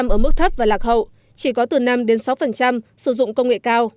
một mươi bốn ở mức thấp và lạc hậu chỉ có từ năm đến sáu sử dụng công nghệ cao